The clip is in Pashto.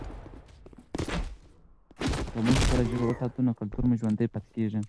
که موږ خپله ژبه وساتو نو کلتور مو ژوندی پاتې کېږي.